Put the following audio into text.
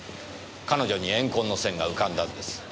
彼女に怨恨の線が浮かんだんです。